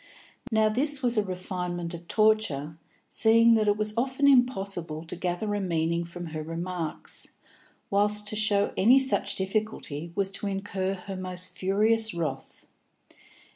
Now this was a refinement of torture, seeing that it was often impossible to gather a meaning from her remarks, whilst to show any such difficulty was to incur her most furious wrath.